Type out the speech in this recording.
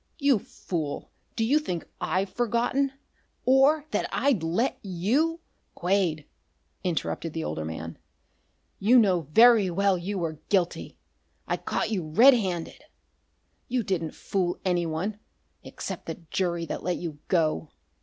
You fool, do you think I've forgotten? or that I'd let you " "Quade," interrupted the older man, "you know very well you were guilty. I caught you red handed. You didn't fool anyone except the jury that let you go.